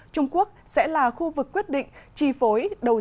trung quốc sẽ là khu vực quyết định tri phối đồng bộ